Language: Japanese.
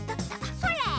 それ！